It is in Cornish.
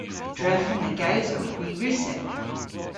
Drefen na gewsowgh hwi Russek.